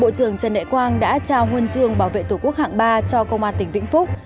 bộ trưởng trần nệ quang đã trao huân chương bảo vệ tổ quốc hạng ba cho công an tỉnh vũng phúc